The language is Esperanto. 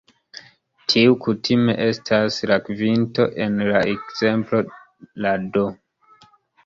Tiu kutime estas la kvinto; en la ekzemplo la "d".